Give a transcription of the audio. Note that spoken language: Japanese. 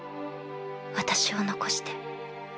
私を残して。